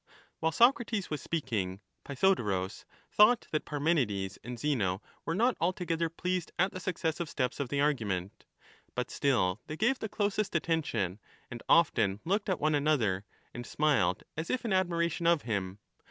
While Socrates was speaking, Pythodorus thought that Parmenides and Zeno were not altogether pleased at the successive steps of the argument ; but still they gave the closest attention, and often looked at one another, and smiled as if in admiration of him.